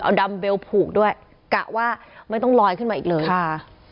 ดำเบลผูกด้วยกะว่าไม่ต้องลอยขึ้นมาอีกเลยค่ะ